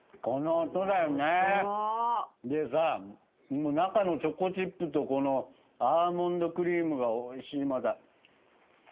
この音。でさ中のチョコチップとこのアーモンドクリームがおいしいまた。